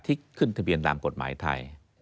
ที่ขึ้นทะเบียนตามกฎหมายไทย